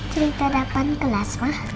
cerita depan kelas ma